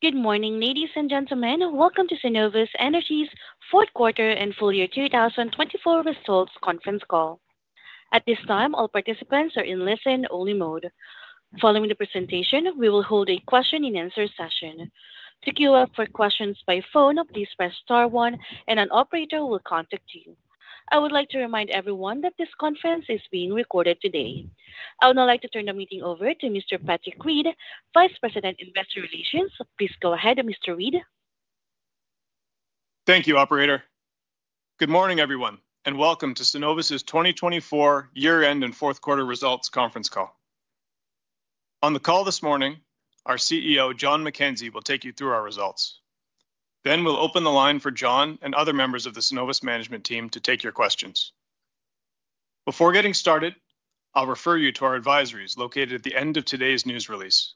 Good morning, ladies and gentlemen. Welcome to Cenovus Energy's fourth quarter and full year 2024 results conference call. At this time, all participants are in listen-only mode. Following the presentation, we will hold a question and answer session. To queue up for questions by phone, please press star one, and an operator will contact you. I would like to remind everyone that this conference is being recorded today. I would now like to turn the meeting over to Mr. Patrick Reid, Vice President, Investor Relations. Please go ahead, Mr. Reid. Thank you, Operator. Good morning, everyone, and welcome to Cenovus' 2024 year-end and fourth quarter results conference call. On the call this morning, our CEO, Jon McKenzie, will take you through our results. Then we'll open the line for Jon and other members of the Cenovus management team to take your questions. Before getting started, I'll refer you to our advisories located at the end of today's news release.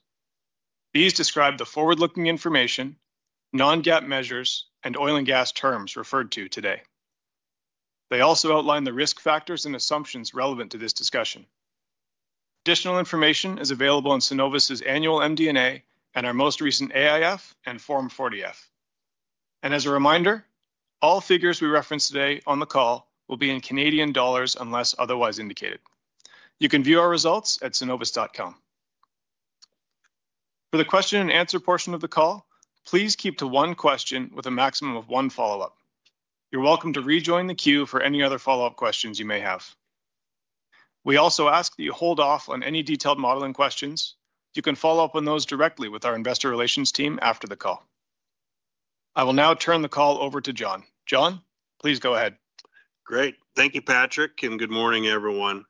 These describe the forward-looking information, non-GAAP measures, and oil and gas terms referred to today. They also outline the risk factors and assumptions relevant to this discussion. Additional information is available in Cenovus' annual MD&A and our most recent AIF and Form 40F. As a reminder, all figures we reference today on the call will be in CAD unless otherwise indicated. You can view our results at cenovus.com. For the question and answer portion of the call, please keep to one question with a maximum of one follow-up. You're welcome to rejoin the queue for any other follow-up questions you may have. We also ask that you hold off on any detailed modeling questions. You can follow up on those directly with our investor relations team after the call. I will now turn the call over to Jon. Jon, please go ahead. Great. Thank you, Patrick, and good morning, everyone.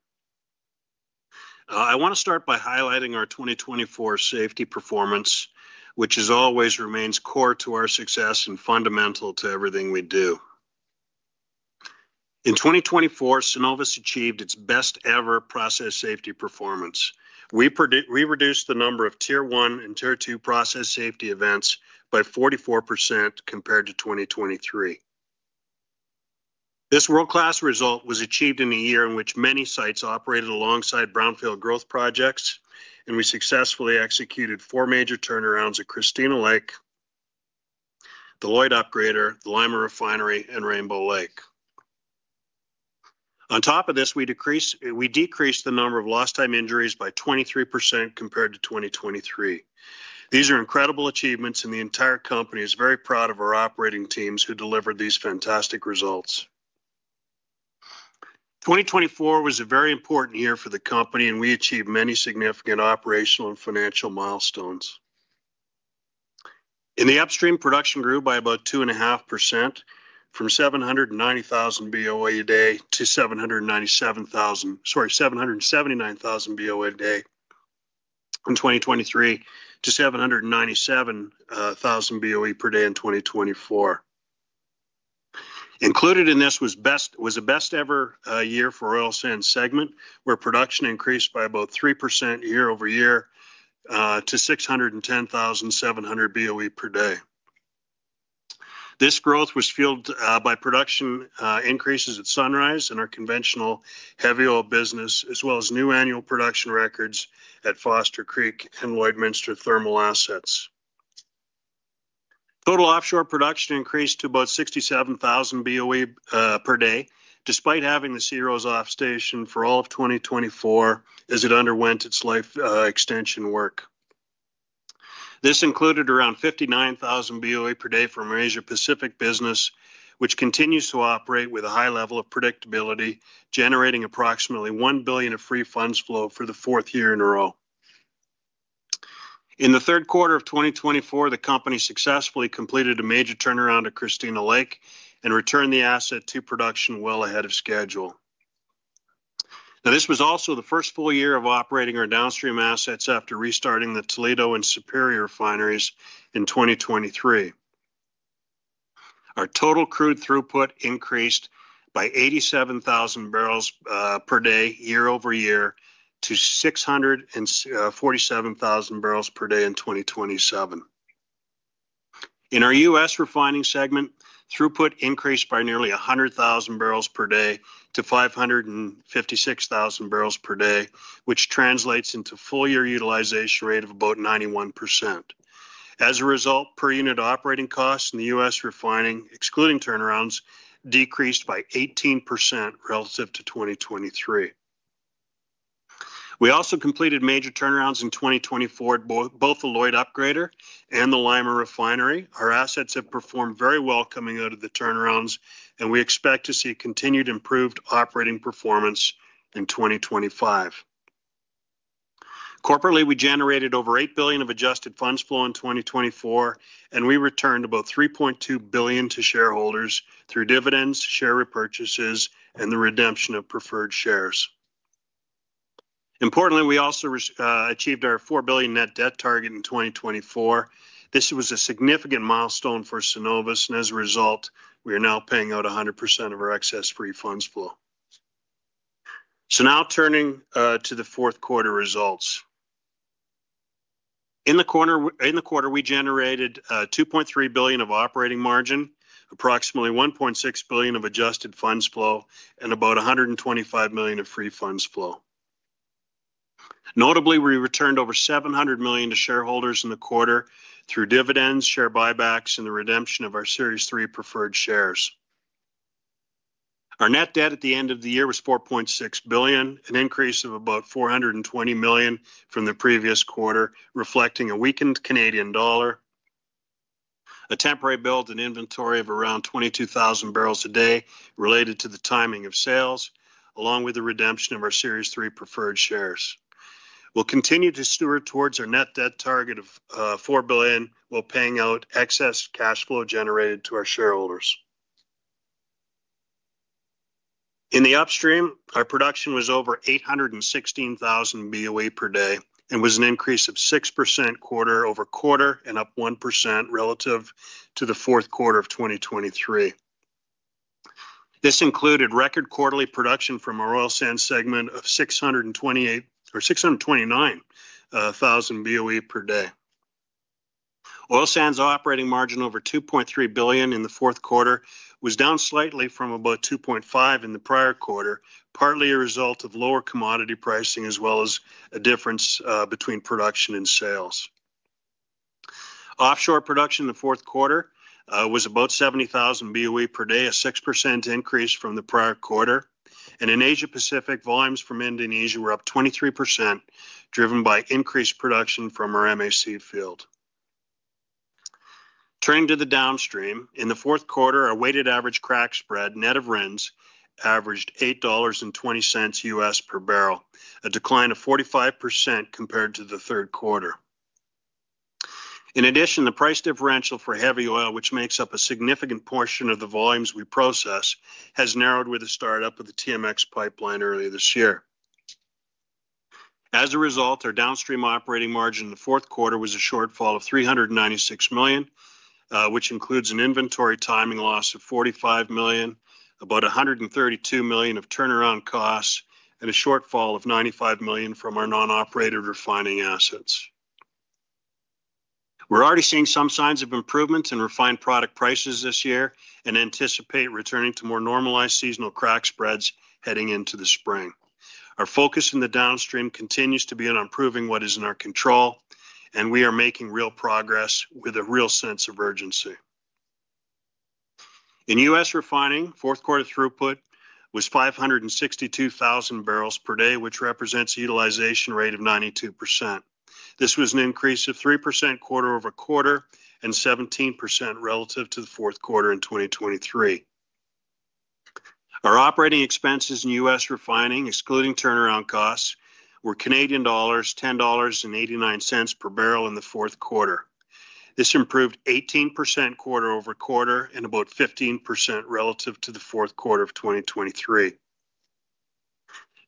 I want to start by highlighting our 2024 safety performance, which always remains core to our success and fundamental to everything we do. In 2024, Cenovus achieved its best-ever process safety performance. We reduced the number of Tier 1 and Tier 2 process safety events by 44% compared to 2023. This world-class result was achieved in a year in which many sites operated alongside brownfield growth projects, and we successfully executed four major turnarounds at Christina Lake, Lloyd Upgrader, the Lima Refinery, and Rainbow Lake. On top of this, we decreased the number of lost-time injuries by 23% compared to 2023. These are incredible achievements, and the entire company is very proud of our operating teams who delivered these fantastic results. 2024 was a very important year for the company, and we achieved many significant operational and financial milestones. In the upstream production, we grew by about 2.5% from 790,000 BOE a day to 779,000 BOE a day in 2023 to 797,000 BOE per day in 2024. Included in this was a best-ever year for oil sands segment, where production increased by about 3% year-over-year to 610,700 BOE per day. This growth was fueled by production increases at Sunrise and our conventional heavy oil business, as well as new annual production records at Foster Creek and Lloydminster thermal assets. Total offshore production increased to about 67,000 BOE per day, despite having the SeaRose off-station for all of 2024 as it underwent its life extension work. This included around 59,000 BOE per day for our Asia-Pacific business, which continues to operate with a high level of predictability, generating approximately 1 billion of free funds flow for the fourth year in a row. In the third quarter of 2024, the company successfully completed a major turnaround at Christina Lake and returned the asset to production well ahead of schedule. Now, this was also the first full year of operating our downstream assets after restarting the Toledo and Superior refineries in 2023. Our total crude throughput increased by 87,000 barrels per day year-over-year to 647,000 barrels per day in 2024. In our U.S. refining segment, throughput increased by nearly 100,000 barrels per day to 556,000 barrels per day, which translates into a full-year utilization rate of about 91%. As a result, per unit operating costs in the U.S. refining, excluding turnarounds, decreased by 18% relative to 2023. We also completed major turnarounds in 2024 at both the Lloyd Upgrader and the Lima Refinery. Our assets have performed very well coming out of the turnarounds, and we expect to see continued improved operating performance in 2025. Corporately, we generated over 8 billion of adjusted funds flow in 2024, and we returned about 3.2 billion to shareholders through dividends, share repurchases, and the redemption of preferred shares. Importantly, we also achieved our 4 billion net debt target in 2024. This was a significant milestone for Cenovus, and as a result, we are now paying out 100% of our excess free funds flow. So now turning to the fourth quarter results. In the quarter, we generated 2.3 billion of operating margin, approximately 1.6 billion of adjusted funds flow, and about 125 million of free funds flow. Notably, we returned over 700 million to shareholders in the quarter through dividends, share buybacks, and the redemption of our Series 3 preferred shares. Our net debt at the end of the year was 4.6 billion, an increase of about 420 million from the previous quarter, reflecting a weakened Canadian dollar, a temporary build in inventory of around 22,000 barrels a day related to the timing of sales, along with the redemption of our Series 3 preferred shares. We'll continue to steward towards our net debt target of 4 billion while paying out excess cash flow generated to our shareholders. In the upstream, our production was over 816,000 BOE per day and was an increase of 6% quarter-over-quarter and up 1% relative to the fourth quarter of 2023. This included record quarterly production from our oil sands segment of 629,000 BOE per day. Oil sands operating margin over $2.3 billion in the fourth quarter was down slightly from about $2.5 billion in the prior quarter, partly a result of lower commodity pricing as well as a difference between production and sales. Offshore production in the fourth quarter was about 70,000 BOE per day, a 6% increase from the prior quarter. And in Asia-Pacific, volumes from Indonesia were up 23%, driven by increased production from our MAC field. Turning to the downstream, in the fourth quarter, our weighted average crack spread, net of RINs, averaged $8.20 per barrel, a decline of 45% compared to the third quarter. In addition, the price differential for heavy oil, which makes up a significant portion of the volumes we process, has narrowed with the startup of the TMX pipeline earlier this year. As a result, our downstream operating margin in the fourth quarter was a shortfall of 396 million, which includes an inventory timing loss of 45 million, about 132 million of turnaround costs, and a shortfall of 95 million from our non-operated refining assets. We're already seeing some signs of improvements in refined product prices this year and anticipate returning to more normalized seasonal crack spreads heading into the spring. Our focus in the downstream continues to be on improving what is in our control, and we are making real progress with a real sense of urgency. In U.S. refining, fourth quarter throughput was 562,000 barrels per day, which represents a utilization rate of 92%. This was an increase of 3% quarter-over-quarter and 17% relative to the fourth quarter in 2023. Our operating expenses in U.S. Refining, excluding turnaround costs, were Canadian dollars 10.89 per barrel in the fourth quarter. This improved 18% quarter-over-quarter and about 15% relative to the fourth quarter of 2023.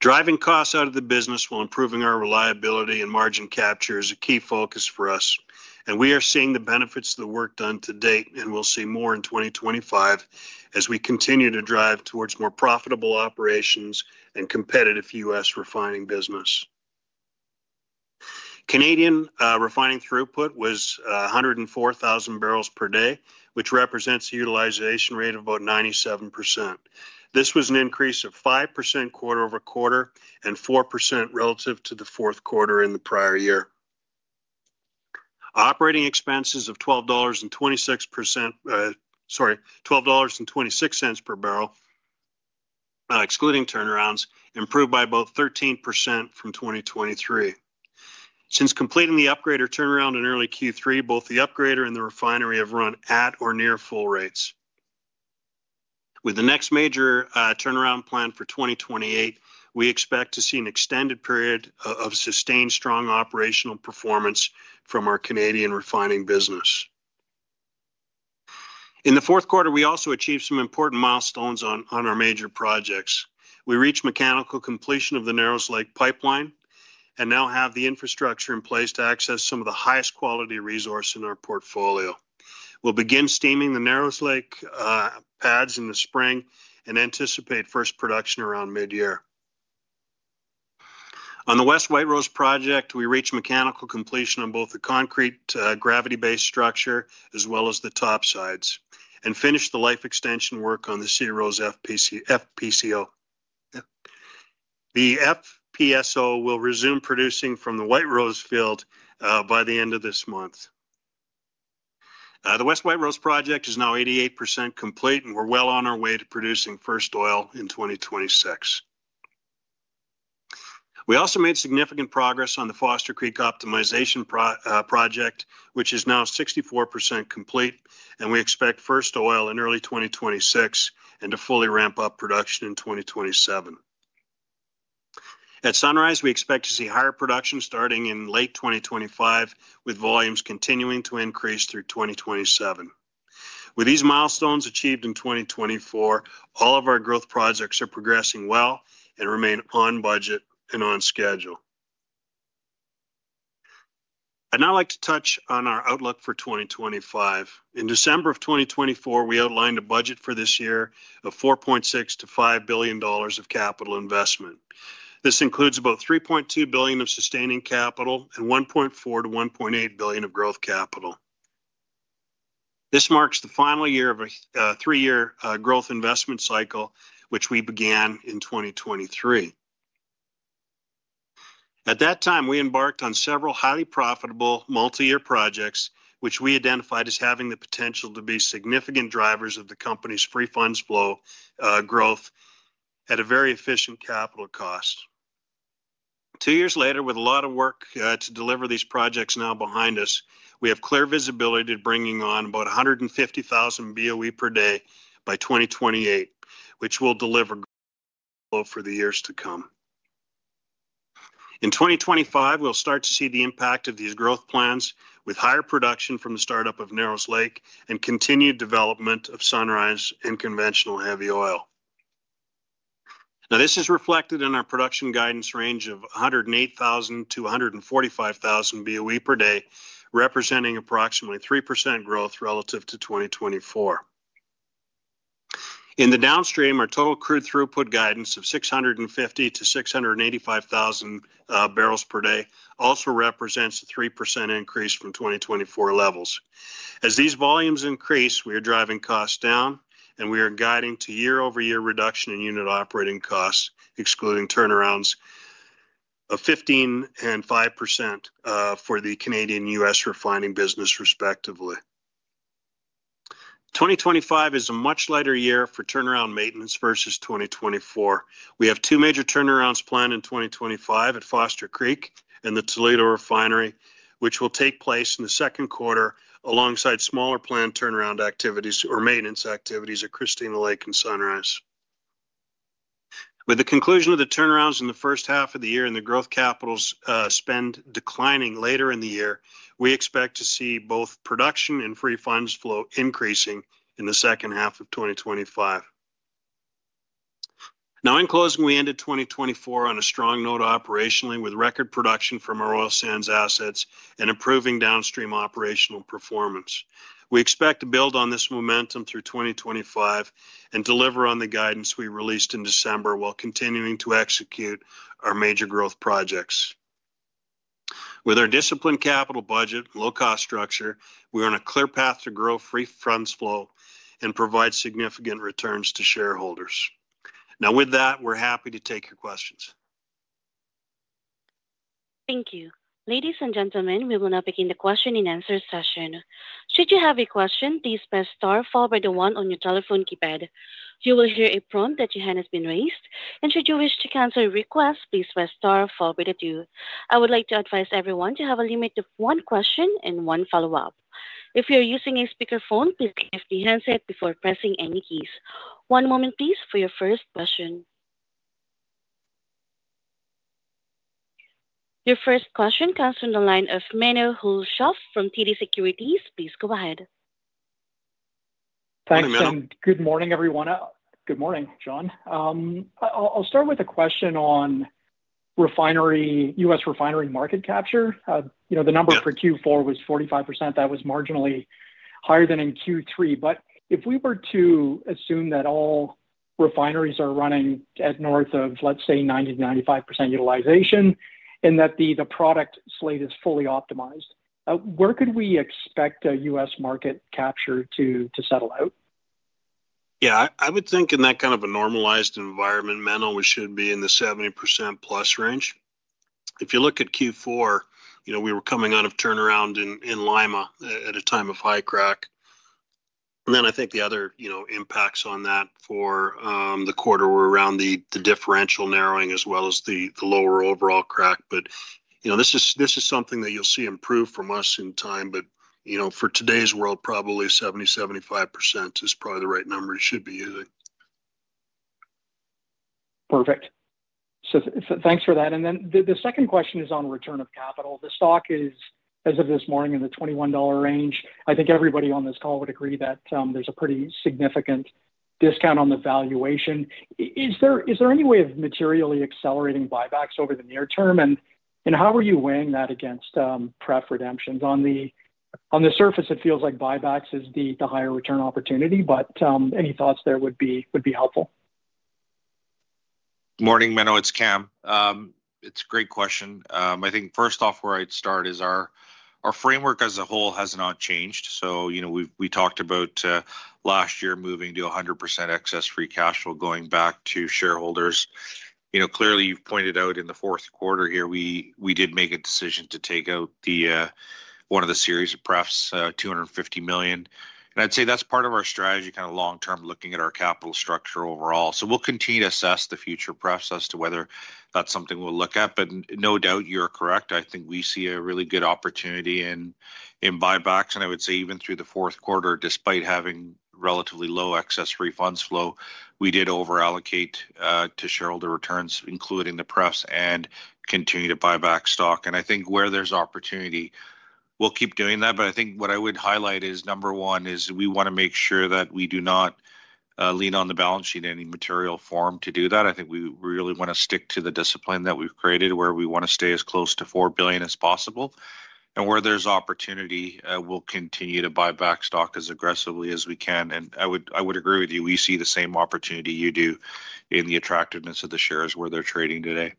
Driving costs out of the business while improving our reliability and margin capture is a key focus for us, and we are seeing the benefits of the work done to date, and we'll see more in 2025 as we continue to drive towards more profitable operations and competitive U.S. refining business. Canadian refining throughput was 104,000 barrels per day, which represents a utilization rate of about 97%. This was an increase of 5% quarter-over-quarter and 4% relative to the fourth quarter in the prior year. Operating expenses of 12.26 dollars per barrel, excluding turnarounds, improved by about 13% from 2023. Since completing the upgrader turnaround in early Q3, both the upgrader and the refinery have run at or near full rates. With the next major turnaround planned for 2028, we expect to see an extended period of sustained strong operational performance from our Canadian refining business. In the fourth quarter, we also achieved some important milestones on our major projects. We reached mechanical completion of the Narrows Lake pipeline and now have the infrastructure in place to access some of the highest quality resource in our portfolio. We'll begin steaming the Narrows Lake pads in the spring and anticipate first production around mid-year. On the West White Rose project, we reached mechanical completion on both the concrete gravity-based structure as well as the topsides and finished the life extension work on the SeaRose FPSO. The FPSO will resume producing from the White Rose field by the end of this month. The West White Rose project is now 88% complete, and we're well on our way to producing first oil in 2026. We also made significant progress on the Foster Creek optimization project, which is now 64% complete, and we expect first oil in early 2026 and to fully ramp up production in 2027. At Sunrise, we expect to see higher production starting in late 2025, with volumes continuing to increase through 2027. With these milestones achieved in 2024, all of our growth projects are progressing well and remain on budget and on schedule. I'd now like to touch on our outlook for 2025. In December of 2024, we outlined a budget for this year of 4.6 billion-5 billion dollars of capital investment. This includes about 3.2 billion of sustaining capital and 1.4 billion-1.8 billion of growth capital. This marks the final year of a three-year growth investment cycle, which we began in 2023. At that time, we embarked on several highly profitable multi-year projects, which we identified as having the potential to be significant drivers of the company's free funds flow growth at a very efficient capital cost. Two years later, with a lot of work to deliver these projects now behind us, we have clear visibility to bringing on about 150,000 BOE per day by 2028, which will deliver growth for the years to come. In 2025, we'll start to see the impact of these growth plans with higher production from the startup of Narrows Lake and continued development of Sunrise and conventional heavy oil. Now, this is reflected in our production guidance range of 108,000-145,000 BOE per day, representing approximately 3% growth relative to 2024. In the downstream, our total crude throughput guidance of 650,000-685,000 barrels per day also represents a 3% increase from 2024 levels. As these volumes increase, we are driving costs down, and we are guiding to year-over-year reduction in unit operating costs, excluding turnarounds of 15% and 5% for the Canadian and U.S. refining business, respectively. 2025 is a much lighter year for turnaround maintenance versus 2024. We have two major turnarounds planned in 2025 at Foster Creek and the Toledo Refinery, which will take place in the second quarter alongside smaller planned turnaround activities or maintenance activities at Christina Lake and Sunrise. With the conclusion of the turnarounds in the first half of the year and the growth capital spend declining later in the year, we expect to see both production and free funds flow increasing in the second half of 2025. Now, in closing, we ended 2024 on a strong note operationally with record production from our oil sands assets and improving downstream operational performance. We expect to build on this momentum through 2025 and deliver on the guidance we released in December while continuing to execute our major growth projects. With our disciplined capital budget and low-cost structure, we are on a clear path to grow free funds flow and provide significant returns to shareholders. Now, with that, we're happy to take your questions. Thank you. Ladies and gentlemen, we will now begin the question and answer session. Should you have a question, please press star followed by the one on your telephone keypad. You will hear a prompt that you have been raised, and should you wish to cancel your request, please press star followed by the two. I would like to advise everyone to have a limit of one question and one follow-up. If you are using a speakerphone, please lift the handset before pressing any keys. One moment, please, for your first question. Your first question comes from the line of Menno Hulshof from TD Securities. Please go ahead. Thanks, and good morning, everyone. Good morning, Jon. I'll start with a question on refinery, U.S. refinery market capture. The number for Q4 was 45%. That was marginally higher than in Q3. But if we were to assume that all refineries are running at north of, let's say, 90%-95% utilization and that the product slate is fully optimized, where could we expect a U.S. market capture to settle out? Yeah, I would think in that kind of a normalized environment, Menno should be in the 70%+ range. If you look at Q4, we were coming out of turnaround in Lima at a time of high crack. And then I think the other impacts on that for the quarter were around the differential narrowing as well as the lower overall crack. But this is something that you'll see improve from us in time. But for today's world, probably 70%-75% is probably the right number you should be using. Perfect. So thanks for that. And then the second question is on return of capital. The stock is, as of this morning, in the $21 range. I think everybody on this call would agree that there's a pretty significant discount on the valuation. Is there any way of materially accelerating buybacks over the near term? And how are you weighing that against pref redemptions? On the surface, it feels like buybacks is the higher return opportunity, but any thoughts there would be helpful. Good morning, Menno. It's Kam. It's a great question. I think, first off, where I'd start is our framework as a whole has not changed. So we talked about last year moving to 100% excess free cash flow going back to shareholders. Clearly, you've pointed out in the fourth quarter here, we did make a decision to take out one of the series of prefs, 250 million. And I'd say that's part of our strategy, kind of long-term looking at our capital structure overall. So we'll continue to assess the future prefs as to whether that's something we'll look at. But no doubt you're correct. I think we see a really good opportunity in buybacks. And I would say even through the fourth quarter, despite having relatively low excess free funds flow, we did overallocate to shareholder returns, including the prefs, and continue to buy back stock. And I think where there's opportunity, we'll keep doing that. But I think what I would highlight is, number one, is we want to make sure that we do not lean on the balance sheet in any material form to do that. I think we really want to stick to the discipline that we've created, where we want to stay as close to 4 billion as possible. And where there's opportunity, we'll continue to buy back stock as we can. And I would agree with you. We see the same opportunity you do in the attractiveness of the shares where they're trading today.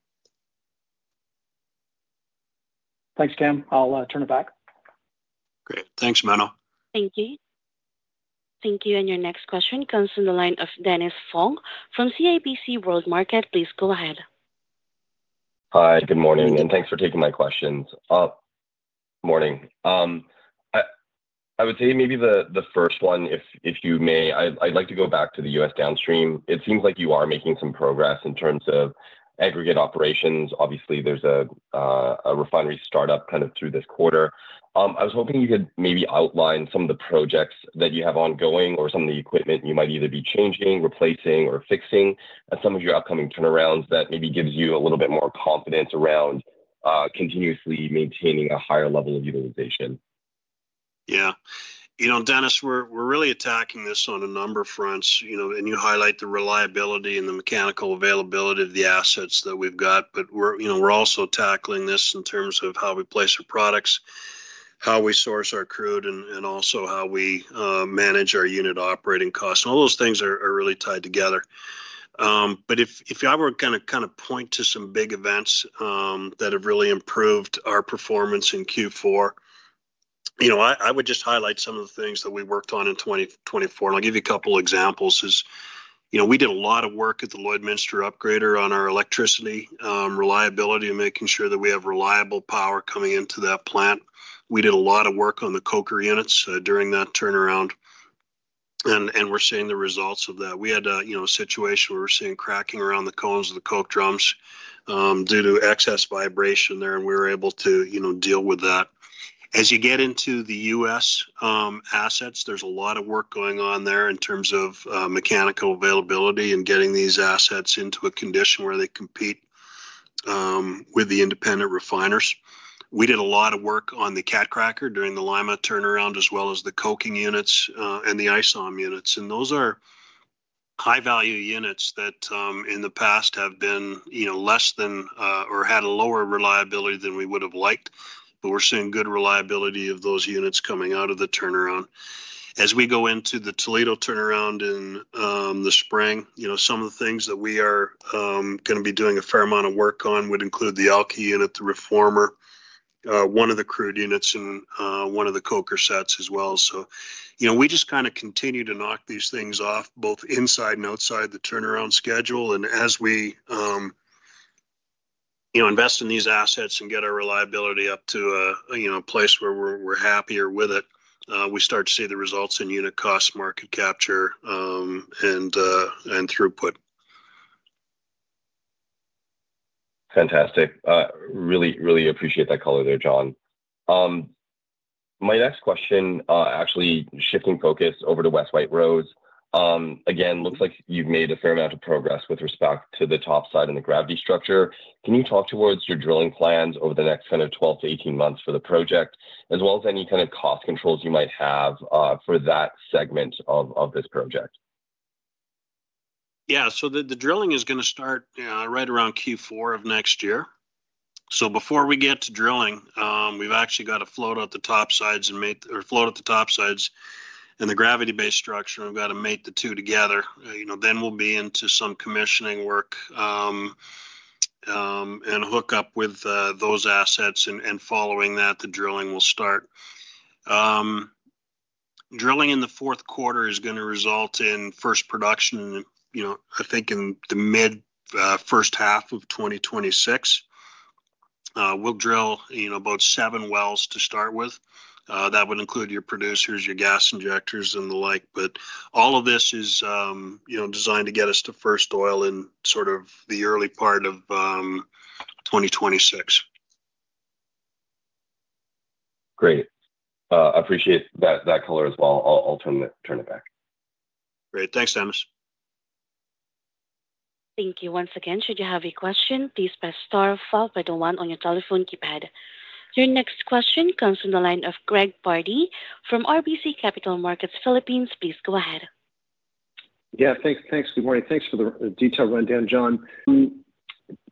Thanks, Kam. I'll turn it back. Great. Thanks, Menno. Thank you. Thank you. And your next question comes from the line of Dennis Fong from CIBC World Markets. Please go ahead. Hi, good morning, and thanks for taking my questions. Morning. I would say maybe the first one, if you may, I'd like to go back to the U.S. downstream. It seems like you are making some progress in terms of aggregate operations. Obviously, there's a refinery startup kind of through this quarter. I was hoping you could maybe outline some of the projects that you have ongoing or some of the equipment you might either be changing, replacing, or fixing at some of your upcoming turnarounds that maybe gives you a little bit more confidence around continuously maintaining a higher level of utilization? Yeah. Dennis, we're really attacking this on a number of fronts. And you highlight the reliability and the mechanical availability of the assets that we've got. But we're also tackling this in terms of how we place our products, how we source our crude, and also how we manage our unit operating costs. All those things are really tied together. But if I were going to kind of point to some big events that have really improved our performance in Q4, I would just highlight some of the things that we worked on in 2024. I'll give you a couple of examples. We did a lot of work at the Lloydminster Upgrader on our electricity reliability and making sure that we have reliable power coming into that plant. We did a lot of work on the coker units during that turnaround, and we're seeing the results of that. We had a situation where we're seeing cracking around the cones of the coke drums due to excess vibration there, and we were able to deal with that. As you get into the U.S. assets, there's a lot of work going on there in terms of mechanical availability and getting these assets into a condition where they compete with the independent refiners. We did a lot of work on the cat cracker during the Lima turnaround, as well as the coking units and the isom units. Those are high-value units that in the past have been less than or had a lower reliability than we would have liked. But we're seeing good reliability of those units coming out of the turnaround. As we go into the Toledo turnaround in the spring, some of the things that we are going to be doing a fair amount of work on would include the alky unit, the reformer, one of the crude units, and one of the cokers as well. So we just kind of continue to knock these things off both inside and outside the turnaround schedule. And as we invest in these assets and get our reliability up to a place where we're happier with it, we start to see the results in unit cost, market capture, and throughput. Fantastic. Really, really appreciate that color there, Jon. My next question, actually shifting focus over to West White Rose. Again, looks like you've made a fair amount of progress with respect to the topsides and the gravity-based structure. Can you talk about your drilling plans over the next kind of 12 to 18 months for the project, as well as any kind of cost controls you might have for that segment of this project? Yeah. The drilling is going to start right around Q4 of next year. Before we get to drilling, we've actually got to float out the topsides and the gravity-based structure. We've got to mate the two together. Then we'll be into some commissioning work and hookup with those assets. Following that, the drilling will start. Drilling in the fourth quarter is going to result in first production, I think, in the mid first half of 2026. We'll drill about seven wells to start with. That would include your producers, your gas injectors, and the like. But all of this is designed to get us to first oil in sort of the early part of 2026. Great. I appreciate that color as well. I'll turn it back. Great. Thanks, Dennis. Thank you. Once again, should you have a question, please press star followed by the one on your telephone keypad. Your next question comes from the line of Greg Pardy from RBC Capital Markets. Please go ahead. Yeah. Thanks. Good morning. Thanks for the detailed rundown, Jon.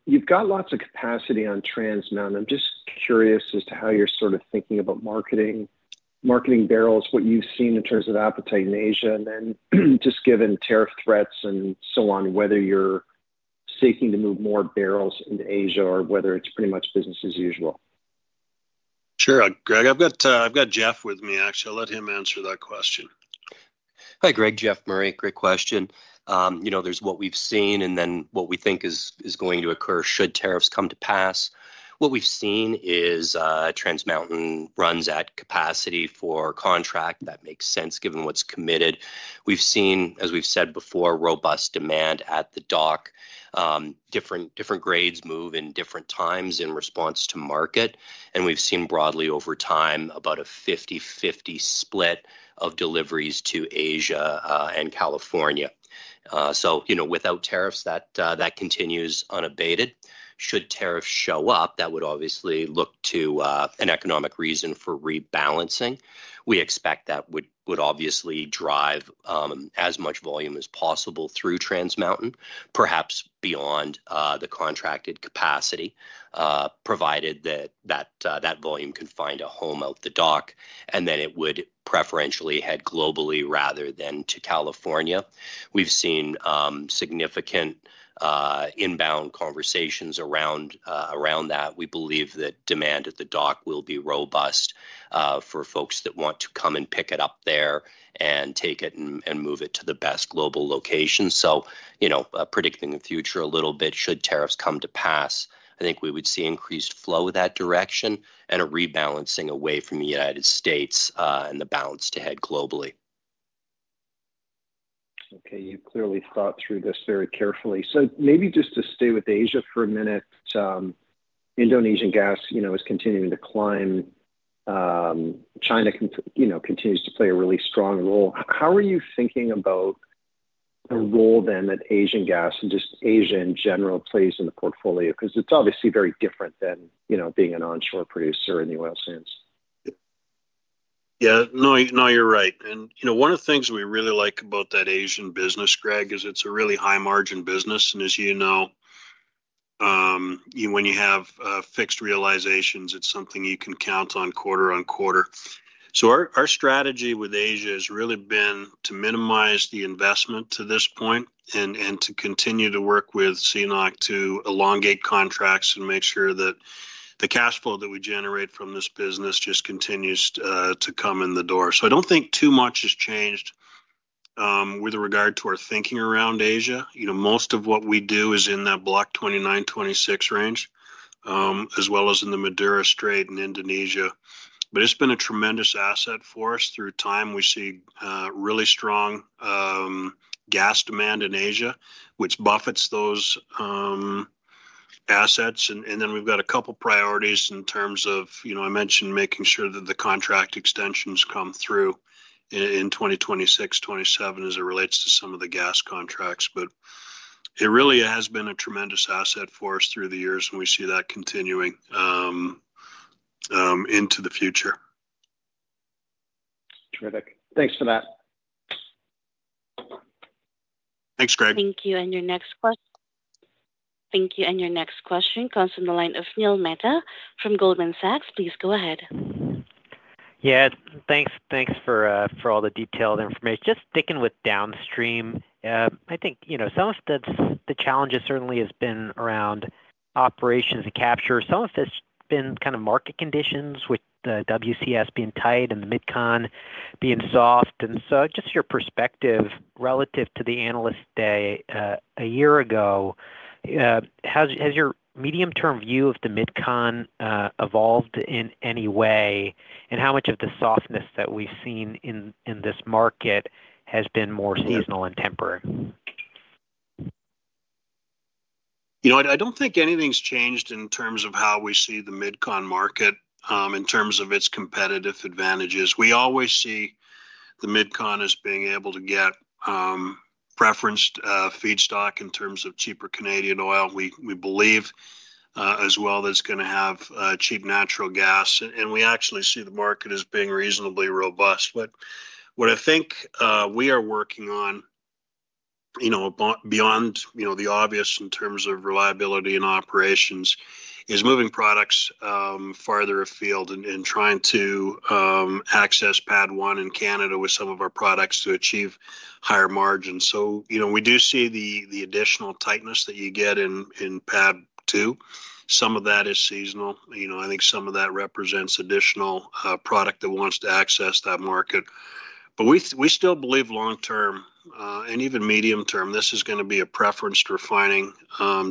You've got lots of capacity on Trans Mountain. I'm just curious as to how you're sort of thinking about marketing barrels, what you've seen in terms of appetite in Asia, and then just given tariff threats and so on, whether you're seeking to move more barrels into Asia or whether it's pretty much business as usual. Sure. Greg, I've got Geoff with me, actually. I'll let him answer that question. Hi, Greg. Geoff Murray. Great question. There's what we've seen and then what we think is going to occur should tariffs come to pass. What we've seen is Trans Mountain runs at capacity for a contract that makes sense given what's committed. We've seen, as we've said before, robust demand at the dock. Different grades move in different times in response to market. And we've seen broadly over time about a 50/50 split of deliveries to Asia and California. So without tariffs, that continues unabated. Should tariffs show up, that would obviously look to an economic reason for rebalancing. We expect that would obviously drive as much volume as possible through Trans Mountain, perhaps beyond the contracted capacity, provided that that volume can find a home at the dock. And then it would preferentially head globally rather than to California. We've seen significant inbound conversations around that. We believe that demand at the dock will be robust for folks that want to come and pick it up there and take it and move it to the best global location. So predicting the future a little bit, should tariffs come to pass, I think we would see increased flow in that direction and a rebalancing away from the United States and the balance to head globally. Okay. You've clearly thought through this very carefully. So maybe just to stay with Asia for a minute, Indonesian gas is continuing to climb. China continues to play a really strong role. How are you thinking about the role then that Asian gas and just Asia in general plays in the portfolio? Because it's obviously very different than being an onshore producer in the oil sands. Yeah. No, you're right. And one of the things we really like about that Asian business, Greg, is it's a really high-margin business. And as you know, when you have fixed realizations, it's something you can count on quarter on quarter. So our strategy with Asia has really been to minimize the investment to this point and to continue to work with CNOOC to elongate contracts and make sure that the cash flow that we generate from this business just continues to come in the door. I don't think too much has changed with regard to our thinking around Asia. Most of what we do is in that Block 29/26 range, as well as in the Madura Strait and Indonesia. But it's been a tremendous asset for us through time. We see really strong gas demand in Asia, which benefits those assets. And then we've got a couple of priorities in terms of I mentioned making sure that the contract extensions come through in 2026, 2027 as it relates to some of the gas contracts. But it really has been a tremendous asset for us through the years, and we see that continuing into the future. Terrific. Thanks for that. Thanks, Greg. Thank you. And your next question. Thank you. And your next question comes from the line of Neil Mehta from Goldman Sachs. Please go ahead. Yeah. Thanks for all the detailed information. Just sticking with downstream, I think some of the challenges certainly have been around operations and capture. Some of it's been kind of market conditions with the WCS being tight and the Midcon being soft. And so just your perspective relative to the analyst day a year ago, has your medium-term view of the Midcon evolved in any way? And how much of the softness that we've seen in this market has been more seasonal and temporary? I don't think anything's changed in terms of how we see the Midcon market in terms of its competitive advantages. We always see the Midcon as being able to get preferenced feedstock in terms of cheaper Canadian oil. We believe as well that it's going to have cheap natural gas. And we actually see the market as being reasonably robust. But what I think we are working on beyond the obvious in terms of reliability and operations is moving products farther afield and trying to access PADD 1 in Canada with some of our products to achieve higher margins. So we do see the additional tightness that you get in PADD 2. Some of that is seasonal. I think some of that represents additional product that wants to access that market. But we still believe long-term and even medium-term, this is going to be a preference to refining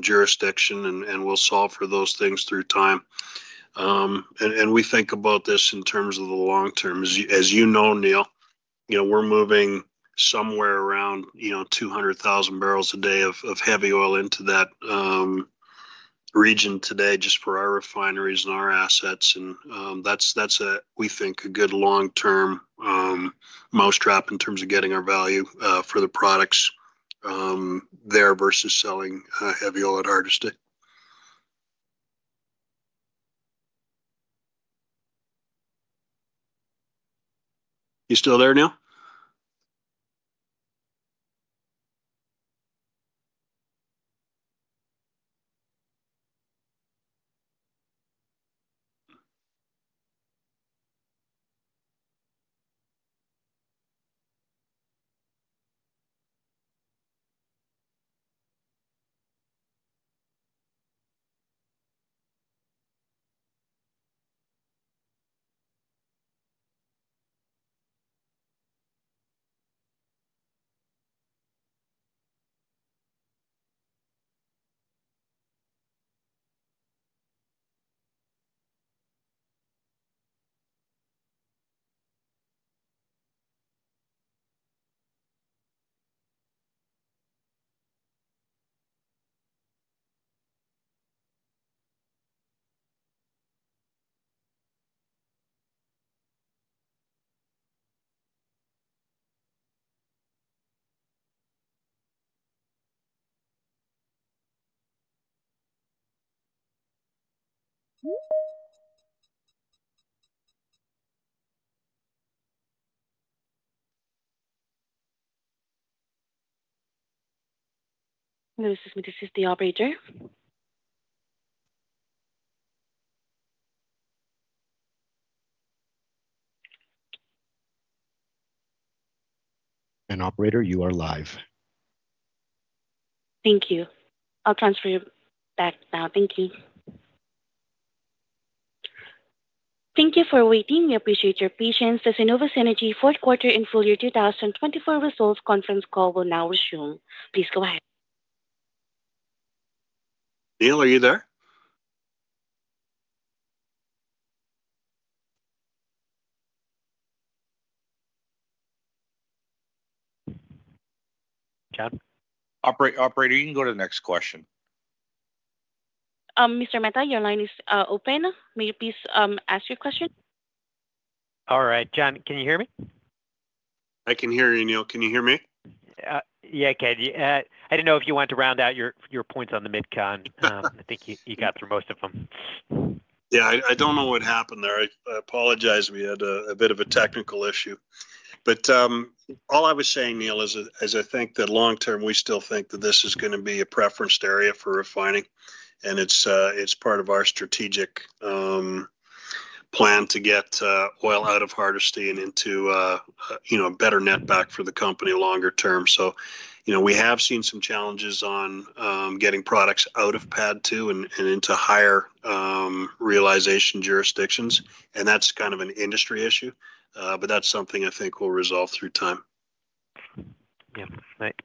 jurisdiction, and we'll solve for those things through time. And we think about this in terms of the long term. As you know, Neil, we're moving somewhere around 200,000 barrels a day of heavy oil into that region today just for our refineries and our assets. That's, we think, a good long-term mousetrap in terms of getting our value for the products there versus selling heavy oil at Hardisty. You still there, Neil? This is the Operator. Operator, you are live. Thank you. I'll transfer you back now. Thank you. Thank you for waiting. We appreciate your patience. This is Cenovus Energy fourth quarter and full year 2024 results conference call will now resume. Please go ahead. Neil, are you there? Operator, you can go to the next question. Mr. Mehta, your line is open. May you please ask your question? All right. Jon, can you hear me? I can hear you, Neil. Can you hear me? Yeah, I can. I didn't know if you wanted to round out your points on the Midcon. I think you got through most of them. Yeah. I don't know what happened there. I apologize. We had a bit of a technical issue. But all I was saying, Neil, is I think that long-term, we still think that this is going to be a preferenced area for refining. And it's part of our strategic plan to get oil out of the heartland and into a better netback for the company longer term. So we have seen some challenges on getting products out of PADD 2 and into higher realization jurisdictions. And that's kind of an industry issue. But that's something I think will resolve through time. Yeah.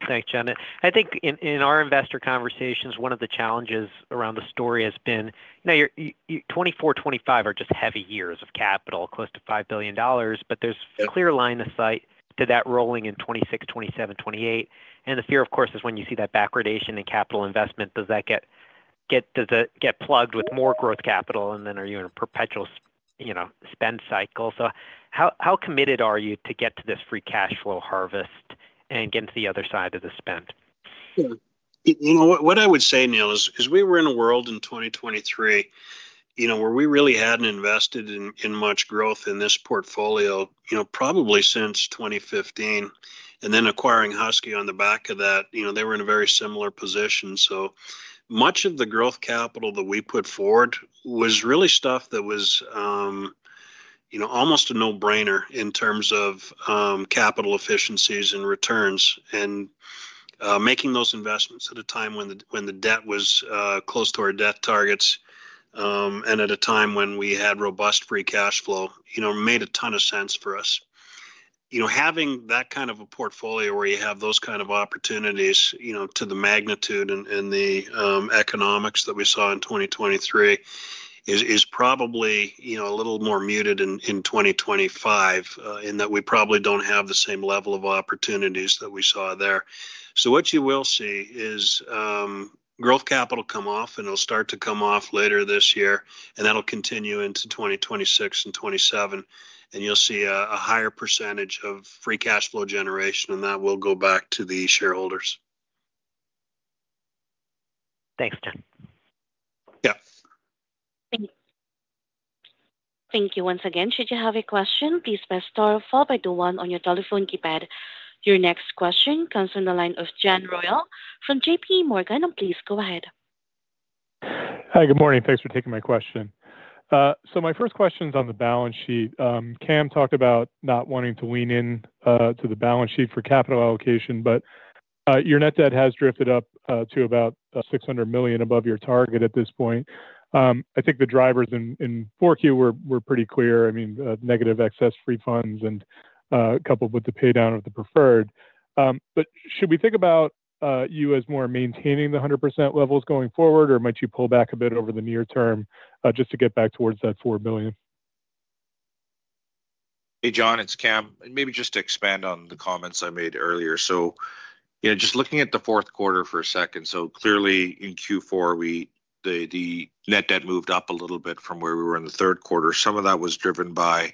Thanks, Jon. I think in our investor conversations, one of the challenges around the story has been now 2024, 2025 are just heavy years of capital, close to $5 billion. But there's a clear line of sight to that rolling in 2026, 2027, 2028. And the fear, of course, is when you see that backwardation in capital investment, does that get plugged with more growth capital? And then are you in a perpetual spend cycle? So how committed are you to get to this free cash flow harvest and get to the other side of the spend? Sure. What I would say, Neil, is because we were in a world in 2023 where we really hadn't invested in much growth in this portfolio probably since 2015. And then acquiring Husky on the back of that, they were in a very similar position. So much of the growth capital that we put forward was really stuff that was almost a no-brainer in terms of capital efficiencies and returns. And making those investments at a time when the debt was close to our debt targets and at a time when we had robust free cash flow made a ton of sense for us. Having that kind of a portfolio where you have those kind of opportunities to the magnitude and the economics that we saw in 2023 is probably a little more muted in 2025 in that we probably don't have the same level of opportunities that we saw there. So what you will see is growth capital come off, and it'll start to come off later this year. And that'll continue into 2026 and 2027. And you'll see a higher percentage of free cash flow generation. And that will go back to the shareholders. Thanks, Jon. Yeah. Thank you. Thank you once again. Should you have a question, please press star followed by the one on your telephone keypad. Your next question comes from the line of John Royall from JPMorgan. Please go ahead. Hi. Good morning. Thanks for taking my question. So my first question is on the balance sheet. Kam talked about not wanting to lean into the balance sheet for capital allocation. But your net debt has drifted up to about 600 million above your target at this point. I think the drivers in 4Q were pretty clear. I mean, negative excess free funds and coupled with the paydown of the preferred. But should we think about you as more maintaining the 100% levels going forward, or might you pull back a bit over the near term just to get back towards that 4 billion? Hey, John, it's Kam. Maybe just to expand on the comments I made earlier. Just looking at the fourth quarter for a second, so clearly in Q4, the net debt moved up a little bit from where we were in the third quarter. Some of that was driven by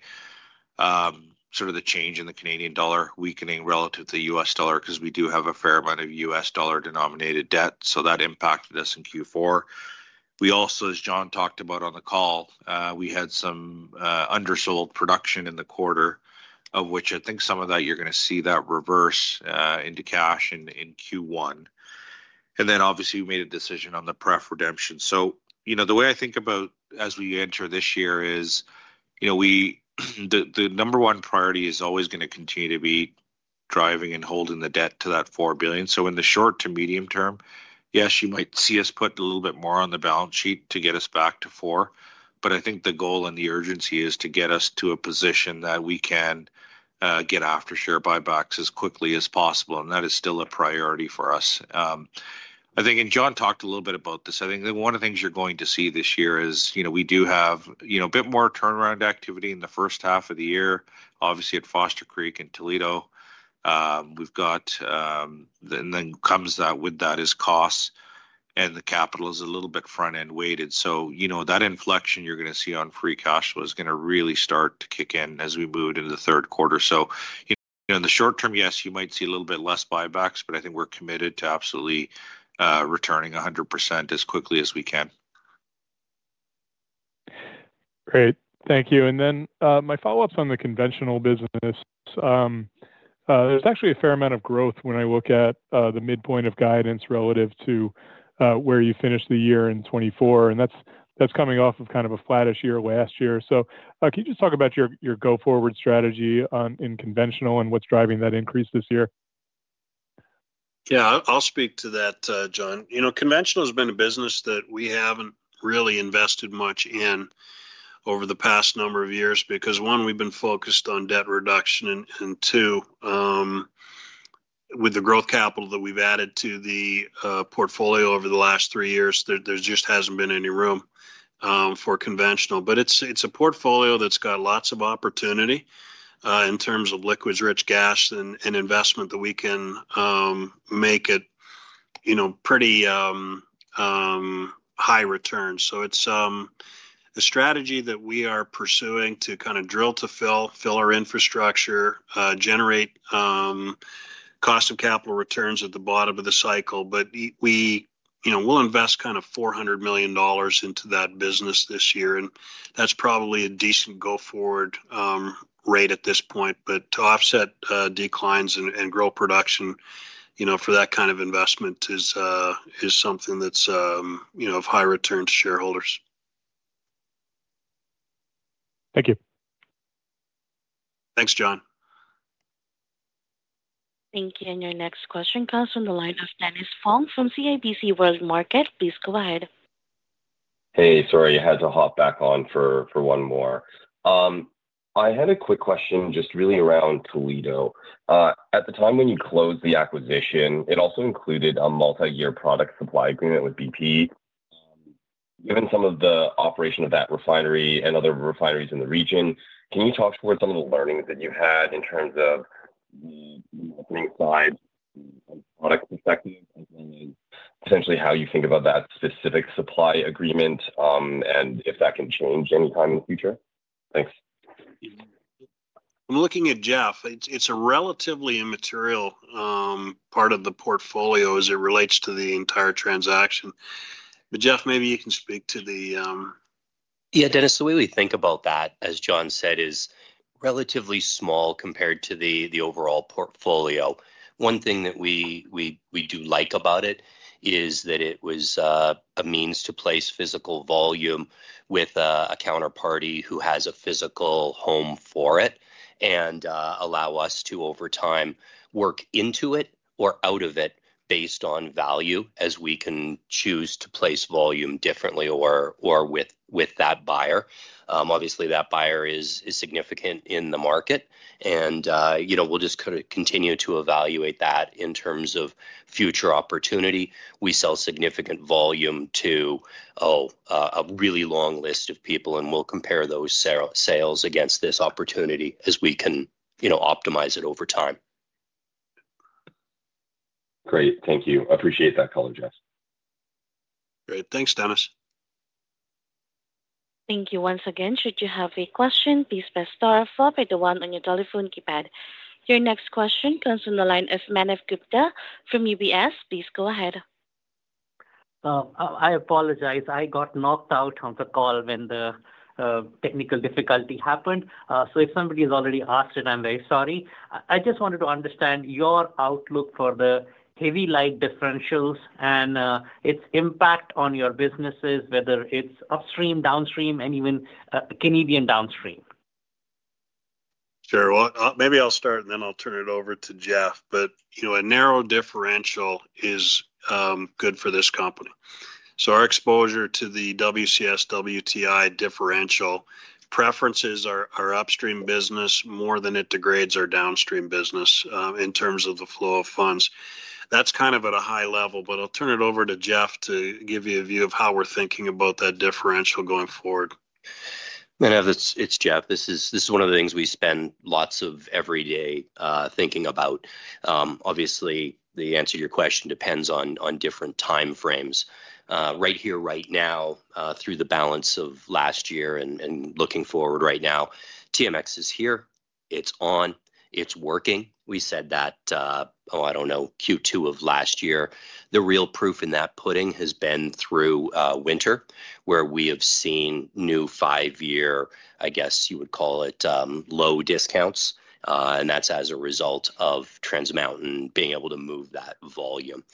sort of the change in the Canadian dollar weakening relative to the U.S. dollar because we do have a fair amount of U.S. dollar-denominated debt. So that impacted us in Q4. We also, as Jon talked about on the call, we had some undersold production in the quarter, of which I think some of that you're going to see that reverse into cash in Q1. And then, obviously, we made a decision on the preferred redemption. So the way I think about as we enter this year is the number one priority is always going to continue to be driving and holding the debt to that 4 billion. So in the short to medium term, yes, you might see us put a little bit more on the balance sheet to get us back to 4. But I think the goal and the urgency is to get us to a position that we can get after share buybacks as quickly as possible. And that is still a priority for us. I think, and Jon talked a little bit about this, I think one of the things you're going to see this year is we do have a bit more turnaround activity in the first half of the year, obviously, at Foster Creek and Toledo. We've got, then, what comes with that is costs. And the capital is a little bit front-end weighted. So that inflection you're going to see on free cash flow is going to really start to kick in as we move into the third quarter. So in the short term, yes, you might see a little bit less buybacks. But I think we're committed to absolutely returning 100% as quickly as we can. Great. Thank you. And then my follow-up on the conventional business, there's actually a fair amount of growth when I look at the midpoint of guidance relative to where you finished the year in 2024. And that's coming off of kind of a flattish year last year. So can you just talk about your go-forward strategy in conventional and what's driving that increase this year? Yeah. I'll speak to that, John. Conventional has been a business that we haven't really invested much in over the past number of years because, one, we've been focused on debt reduction. And two, with the growth capital that we've added to the portfolio over the last three years, there just hasn't been any room for conventional. But it's a portfolio that's got lots of opportunity in terms of liquids-rich gas and investment that we can make it pretty high returns. So it's a strategy that we are pursuing to kind of drill to fill, fill our infrastructure, generate cost of capital returns at the bottom of the cycle. But we'll invest kind of 400 million dollars into that business this year. And that's probably a decent go-forward rate at this point. But to offset declines and grow production for that kind of investment is something that's of high return to shareholders. Thank you. Thanks, John. Thank you. And your next question comes from the line of Dennis Fong from CIBC World Markets. Please go ahead. Hey, sorry. I had to hop back on for one more. I had a quick question just really around Toledo. At the time when you closed the acquisition, it also included a multi-year product supply agreement with BP. Given some of the operation of that refinery and other refineries in the region, can you talk towards some of the learnings that you had in terms of the marketing side from a product perspective as well as potentially how you think about that specific supply agreement and if that can change anytime in the future? I'm looking at Geoff. It's a relatively immaterial part of the portfolio as it relates to the entire transaction. But Geoff, maybe you can speak to the. Yeah. Dennis, the way we think about that, as Jon said, is relatively small compared to the overall portfolio. One thing that we do like about it is that it was a means to place physical volume with a counterparty who has a physical home for it and allow us to, over time, work into it or out of it based on value as we can choose to place volume differently or with that buyer. Obviously, that buyer is significant in the market. And we'll just continue to evaluate that in terms of future opportunity. We sell significant volume to a really long list of people. And we'll compare those sales against this opportunity as we can optimize it over time. Great. Thank you. I appreciate that color, Geoff. Great. Thanks, Dennis. Thank you once again. Should you have a question, please press star followed by the one on your telephone keypad. Your next question comes from the line of Manav Gupta from UBS. Please go ahead. I apologize. I got knocked out of the call when the technical difficulty happened. So if somebody has already asked it, I'm very sorry. I just wanted to understand your outlook for the heavy-light differentials and its impact on your businesses, whether it's upstream, downstream, and even Canadian downstream. Sure. Well, maybe I'll start, and then I'll turn it over to Geoff. But a narrow differential is good for this company. So our exposure to the WCS-WTI differential benefits our upstream business more than it degrades our downstream business in terms of the flow of funds. That's kind of at a high level. But I'll turn it over to Geoff to give you a view of how we're thinking about that differential going forward. It's Geoff. This is one of the things we spend a lot of time every day thinking about. Obviously, the answer to your question depends on different time frames. Right here, right now, through the balance of last year and looking forward right now, TMX is here. It's on. It's working. We said that, oh, I don't know, Q2 of last year. The real proof in that pudding has been through winter, where we have seen new five-year, I guess you would call it, low discounts. And that's as a result of Trans Mountain being able to move that volume.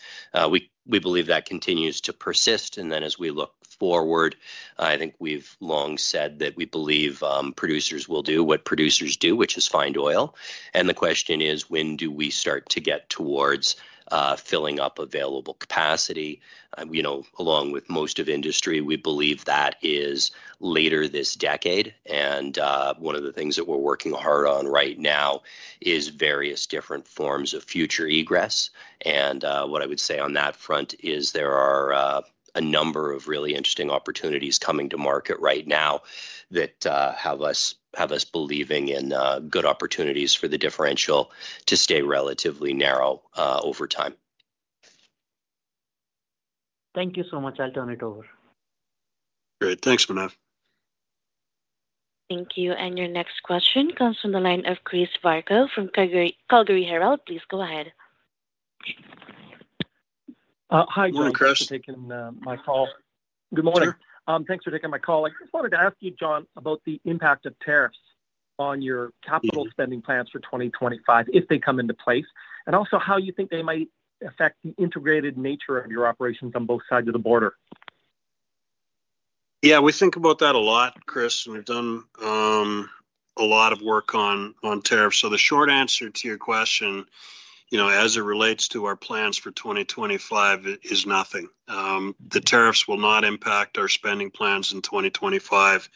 We believe that continues to persist. And then as we look forward, I think we've long said that we believe producers will do what producers do, which is find oil. And the question is, when do we start to get towards filling up available capacity? Along with most of industry, we believe that is later this decade. And one of the things that we're working hard on right now is various different forms of future egress. And what I would say on that front is there are a number of really interesting opportunities coming to market right now that have us believing in good opportunities for the differential to stay relatively narrow over time. Thank you so much. I'll turn it over. Great. Thanks, Manav. Thank you. And your next question comes from the line of Chris Varcoe from Calgary Herald. Please go ahead. Hi, Jon. Thanks for taking my call. Good morning. Thanks for taking my call. I just wanted to ask you, Jon, about the impact of tariffs on your capital spending plans for 2025, if they come into place, and also how you think they might affect the integrated nature of your operations on both sides of the border. Yeah. We think about that a lot, Chris. And we've done a lot of work on tariffs. So the short answer to your question as it relates to our plans for 2025 is nothing. The tariffs will not impact our spending plans in 2025.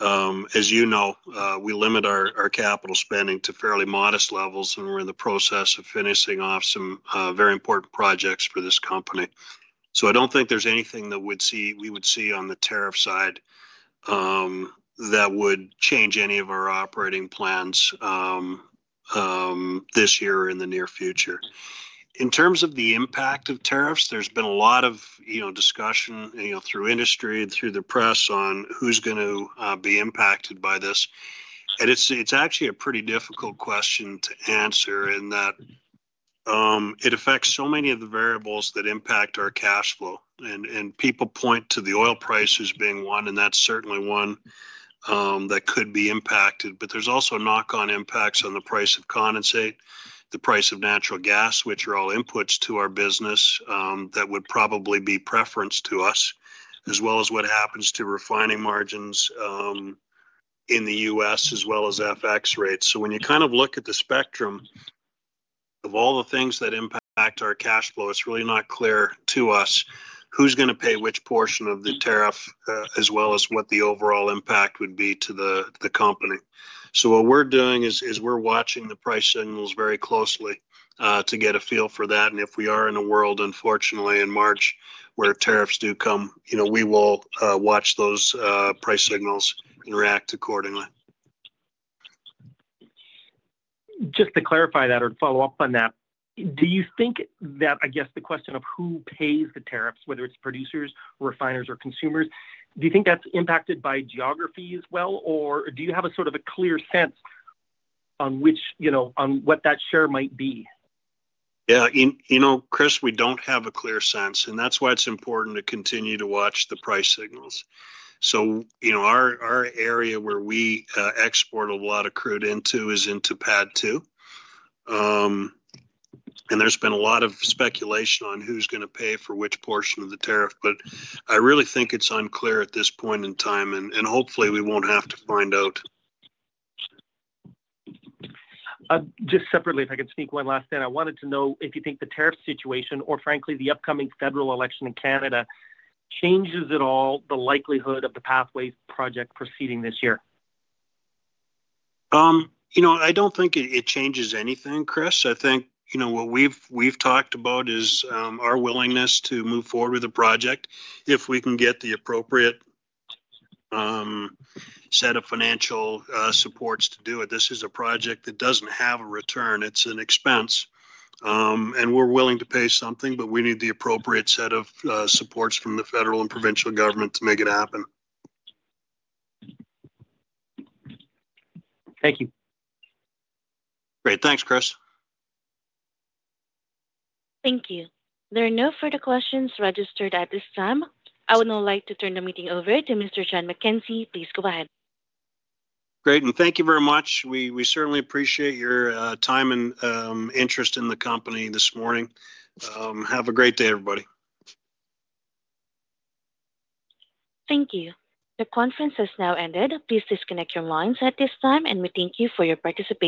As you know, we limit our capital spending to fairly modest levels. And we're in the process of finishing off some very important projects for this company. So I don't think there's anything that we would see on the tariff side that would change any of our operating plans this year or in the near future. In terms of the impact of tariffs, there's been a lot of discussion through industry and through the press on who's going to be impacted by this. And it's actually a pretty difficult question to answer in that it affects so many of the variables that impact our cash flow. And people point to the oil prices being one. And that's certainly one that could be impacted. But there's also knock-on impacts on the price of condensate, the price of natural gas, which are all inputs to our business that would probably be preferential to us, as well as what happens to refining margins in the U.S., as well as FX rates. So when you kind of look at the spectrum of all the things that impact our cash flow, it's really not clear to us who's going to pay which portion of the tariff, as well as what the overall impact would be to the company. So what we're doing is we're watching the price signals very closely to get a feel for that. And if we are in a world, unfortunately, in March where tariffs do come, we will watch those price signals and react accordingly. Just to clarify that or follow up on that, do you think that, I guess, the question of who pays the tariffs, whether it's producers, refiners, or consumers, do you think that's impacted by geography as well? Or do you have a sort of a clear sense on what that share might be? Yeah. Chris, we don't have a clear sense. And that's why it's important to continue to watch the price signals. So our area where we export a lot of crude into is into PADD 2. And there's been a lot of speculation on who's going to pay for which portion of the tariff. But I really think it's unclear at this point in time. And hopefully, we won't have to find out. Just separately, if I could speak one last thing, I wanted to know if you think the tariff situation or, frankly, the upcoming federal election in Canada changes at all the likelihood of the Pathways project proceeding this year. I don't think it changes anything, Chris. I think what we've talked about is our willingness to move forward with the project if we can get the appropriate set of financial supports to do it. This is a project that doesn't have a return. It's an expense. And we're willing to pay something. But we need the appropriate set of supports from the federal and provincial government to make it happen. Thank you. Great. Thanks, Chris. Thank you. There are no further questions registered at this time. I would now like to turn the meeting over to Mr. Jon McKenzie. Please go ahead. Great. And thank you very much. We certainly appreciate your time and interest in the company this morning. Have a great day, everybody. Thank you. The conference has now ended. Please disconnect your lines at this time. And we thank you for your participation.